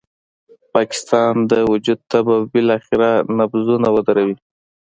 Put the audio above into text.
د پاکستان د وجود تبه به بالاخره نبضونه ودروي.